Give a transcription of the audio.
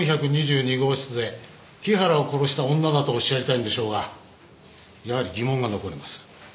４２２号室で木原を殺した女だとおっしゃりたいんでしょうがやはり疑問が残ります。